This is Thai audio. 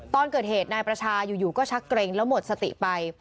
ตอนเกิดเหตุนายประชาอยู่ก็ชักเกร็งแล้วหมดสติไป